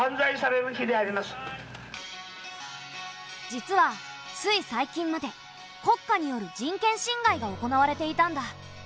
実はつい最近まで国家による人権侵害が行われていたんだ。